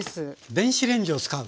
電子レンジを使う？